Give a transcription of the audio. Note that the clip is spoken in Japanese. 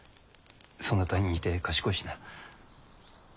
そなたに似て賢いしな。